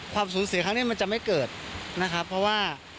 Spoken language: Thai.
สูญเสียครั้งนี้มันจะไม่เกิดนะครับเพราะว่า